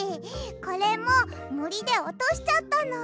これももりでおとしちゃったの。